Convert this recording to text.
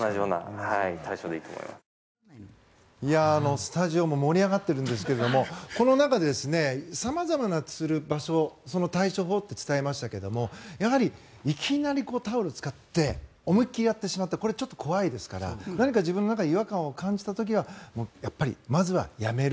スタジオも盛り上がっているんですけれどもこの中で様々なつる場所その対処法って伝えましたけどもやはり、いきなりタオルを使って思い切りやってしまうと怖いですから何か自分の中で違和感を感じた時はまずはやめる。